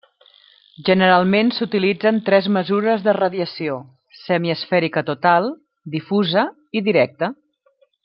Generalment s'utilitzen tres mesures de radiació: semiesfèrica total, difusa i directa.